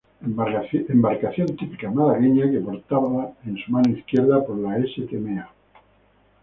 Embarcación típica malagueña, que portada en su mano izquierda por la Stma.